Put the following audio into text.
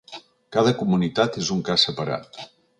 Cada comunitat és un cas separat.